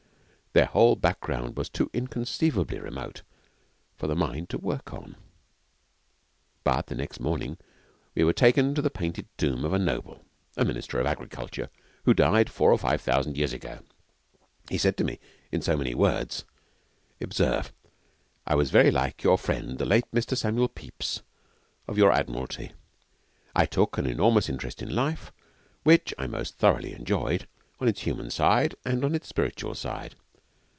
Their whole background was too inconceivably remote for the mind to work on. But the next morning we were taken to the painted tomb of a noble a Minister of Agriculture who died four or five thousand years ago. He said to me, in so many words: 'Observe I was very like your friend, the late Mr. Samuel Pepys, of your Admiralty. I took an enormous interest in life, which I most thoroughly enjoyed, on its human and on its spiritual side.